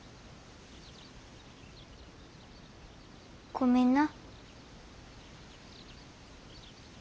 ごめんな。